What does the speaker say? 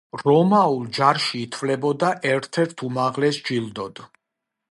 რომაულ ჯარში ითვლებოდა ერთ-ერთ უმაღლეს ჯილდოდ.